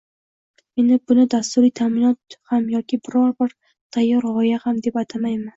Men buni dasturiy taʼminot ham yoki biror bir tayyor gʻoya deb ham atamayman